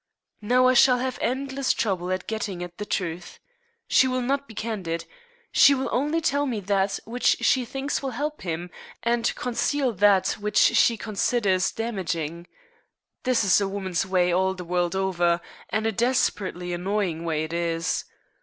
Now I shall have endless trouble at getting at the truth. She will not be candid. She will only tell me that which she thinks will help him, and conceal that which she considers damaging. That is a woman's way, all the world over. And a desperately annoying way it is.